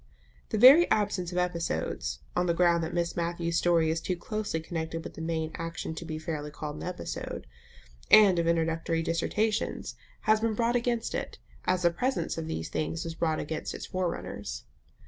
The very absence of episodes (on the ground that Miss Matthews's story is too closely connected with the main action to be fairly called an episode) and of introductory dissertations has been brought against it, as the presence of these things was brought against its forerunners.